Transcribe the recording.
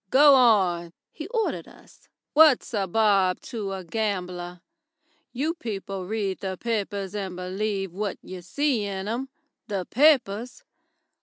"Go on," he ordered us. "What's a bob to a gambler? You people read the papers and believe what you see in 'em. The papers!